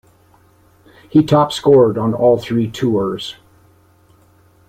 He top-scored on all three tours.